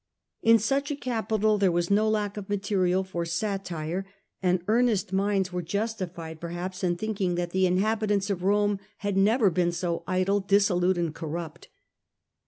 In such a capital there was no lack of material for satire, and earnest minds were justified, perhaps, in think ing that the inhabitants of Rome had never been so idle, dissolute, and corrupt.